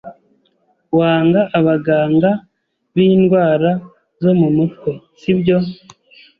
Wanga abaganga b'indwara zo mu mutwe, sibyo?